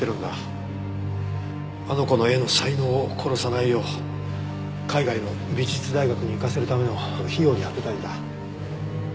あの子の絵の才能を殺さないよう海外の美術大学に行かせるための費用に充てたいんだ。